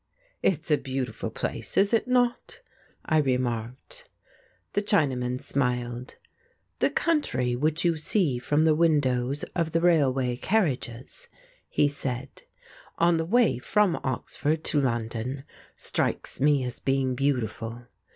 "It's a beautiful place, is it not?" I remarked. The Chinaman smiled. "The country which you see from the windows of the railway carriages," he said, "on the way from Oxford to London strikes me as being beautiful.